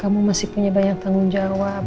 kamu masih punya banyak tanggung jawab